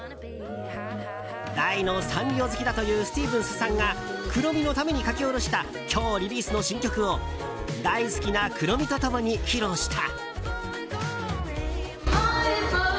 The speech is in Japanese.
大のサンリオ好きだというスティーブンスさんがクロミのために書き下ろした今日リリースの新曲を大好きなクロミと共に披露した。